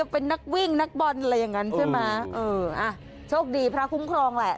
เป็นนักวิ่งนักบอลอะไรอย่างนั้นใช่ไหมเอออ่ะโชคดีพระคุ้มครองแหละ